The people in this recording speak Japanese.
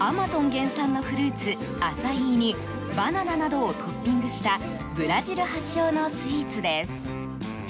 原産のフルーツアサイーにバナナなどをトッピングしたブラジル発祥のスイーツです。